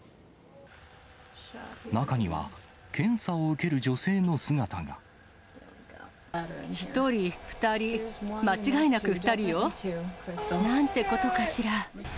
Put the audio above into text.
中には検査を受ける女性の姿１人、２人、間違いなく２人なんてことかしら。